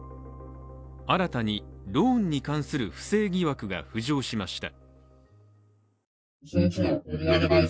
新たにローンに関する不正疑惑が浮上しました。